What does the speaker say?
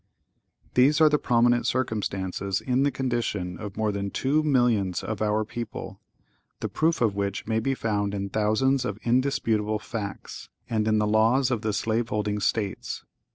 (¶ 8) These are the prominent circumstances in the condition of more than two millions of our people, the proof of which may be found in thousands of indisputable facts, and in the laws of the slaveholding States.